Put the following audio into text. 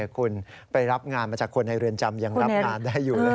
คุณไปรับงานมาจากคนในเรือนจำยังรับงานได้อยู่เลย